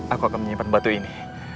aku akan menyimpan batu ini